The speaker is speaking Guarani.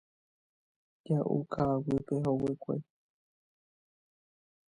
Ja'u ka'aguýpe hoguekue.